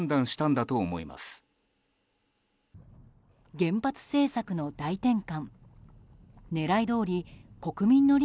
原発政策の大転換。